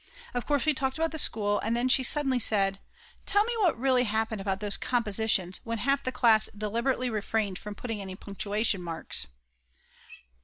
Of course we talked about the school, and then she suddenly said: Tell me what really happened about those compositions, when half the class deliberately refrained from putting any punctuation marks.